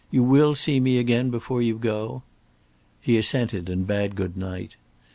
You will see me again before you go?" He assented and bade good night. Mrs.